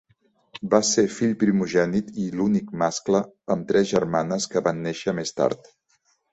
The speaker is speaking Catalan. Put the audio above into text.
Va ser fill primogènit i l'únic mascle, amb tres germanes que van néixer més tard.